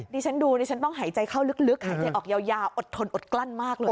ดิฉันดูดิฉันต้องหายใจเข้าลึกหายใจออกยาวอดทนอดกลั้นมากเลย